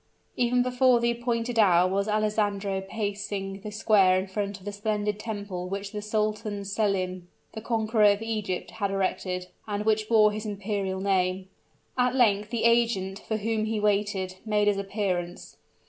Even before the appointed hour was Alessandro pacing the square in front of the splendid temple which the Sultan Selim the conqueror of Egypt had erected, and which bore his imperial name. At length the agent, for whom he waited, made his appearance.